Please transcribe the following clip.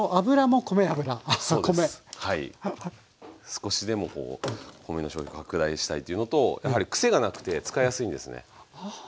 少しでもこう米の消費拡大したいというのとやはりくせがなくて使いやすいんですね。はなるほど。